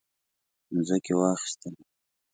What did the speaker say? مځکې واخیستلې.